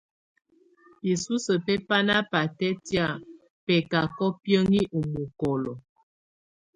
Bisusə bɛ bana batɛtkia bɛcacɔ biəŋi ɔ mokolo.